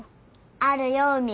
あるよ海。